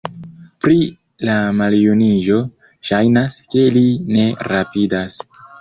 Pri la maljuniĝo, ŝajnas, ke li ne rapidas.